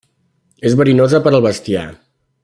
És verinosa per al bestiar.